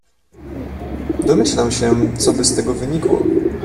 "Domyślam się, coby z tego wynikło."